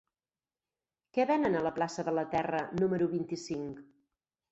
Què venen a la plaça de la Terra número vint-i-cinc?